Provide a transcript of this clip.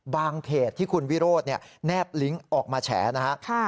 เพจที่คุณวิโรธแนบลิงก์ออกมาแฉนะครับ